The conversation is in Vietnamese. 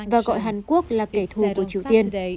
và gọi hàn quốc là kẻ thù của triều tiên